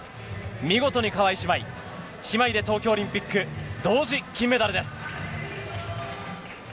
見事に川井姉妹、姉妹で東京オリンピック、同時金メダルです。